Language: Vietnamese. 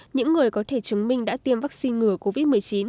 những người có thể chứng minh đã tiêm vaccine ngừa covid một mươi chín